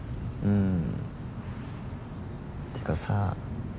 んんてかさ。